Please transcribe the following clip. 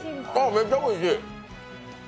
めっちゃおいしい！